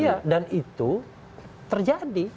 iya dan itu terjadi